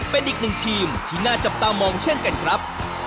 เป็นอีกหนึ่งทีมที่น่าจับตามองเช่นกันครับ